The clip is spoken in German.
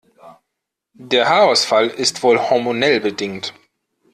Der Haarausfall ist wohl hormonell bedingt.